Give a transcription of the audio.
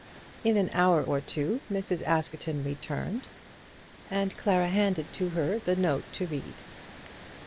In an hour or two Mrs. Askerton returned, and Clara handed to her the note to read.